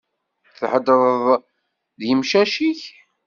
Theddreḍ d imcac-ik?